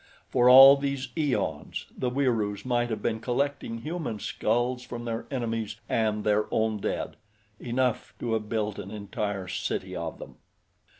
For all these eons the Wieroos might have been collecting human skulls from their enemies and their own dead enough to have built an entire city of them.